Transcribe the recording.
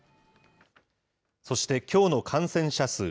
そしてきょうの感染者数。